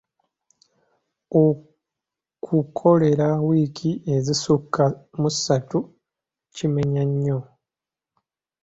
Okukololera wiiki ezisukka mu ssatu kimenya nnyo.